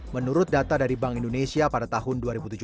menurut data dari bank indonesia pada tahun dua ribu tujuh belas